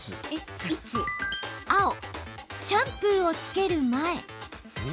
青・シャンプーをつける前。